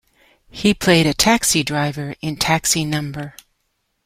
He played a taxi driver in "Taxi No.